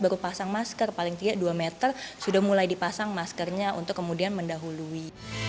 baru pasang masker paling tidak dua meter sudah mulai dipasang maskernya untuk kemudian mendahului